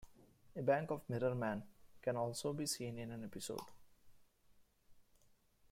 A bank of Mirrorman can also be seen in an episode.